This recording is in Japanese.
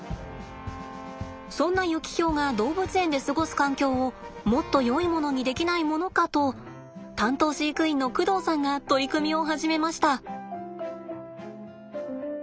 そんなユキヒョウが動物園で過ごす環境をもっとよいものにできないものかと担当飼育員の工藤さんが取り組みを始めました。